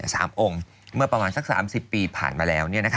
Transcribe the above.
สามองค์เมื่อประมาณสัก๓๐ปีผ่านมาแล้ว